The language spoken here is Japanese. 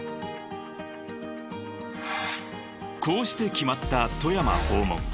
［こうして決まった富山訪問］